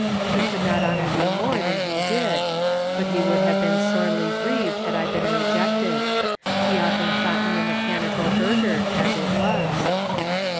He could not honour thee more than he did, but he would have been sorely grieved had I been rejected. He often thought me a mechanical burgher, as it was."